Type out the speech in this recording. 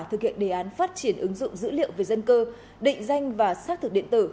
thực hiện đề án phát triển ứng dụng dữ liệu về dân cư định danh và xác thực điện tử